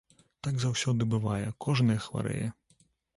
Так заўсёды бывае, кожная хварэе.